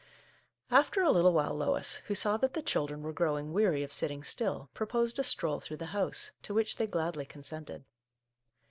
After a little while Lois, who saw that the Our Little Canadian Cousin 109 children were growing weary of sitting still, proposed a stroll through the house, to which they gladly consented.